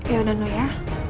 yaudah no ya